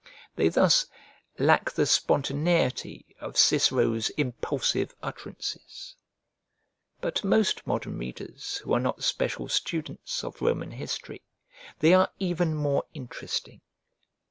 They thus lack the spontaneity of Cicero's impulsive utterances, but to most modern readers who are not special students of Roman history they are even more interesting.